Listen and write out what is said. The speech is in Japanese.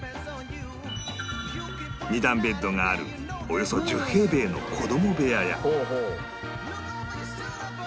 ２段ベッドがあるおよそ１０平米の子供部屋や